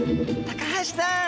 高橋さん！